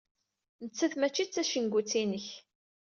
Nettat mačči d tacengut-inek.